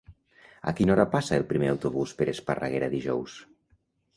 A quina hora passa el primer autobús per Esparreguera dijous?